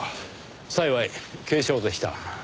幸い軽傷でした。